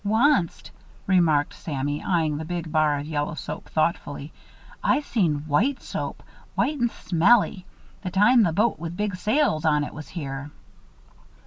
"Wonst," remarked Sammy, eying the big bar of yellow soap, thoughtfully, "I seen white soap white and smelly. The time the boat with big sails on it was here."